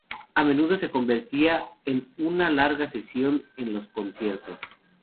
A menudo se convertía en una larga sesión en los conciertos.